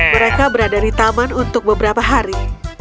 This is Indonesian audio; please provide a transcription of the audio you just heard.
mereka berada di taman untuk beberapa hari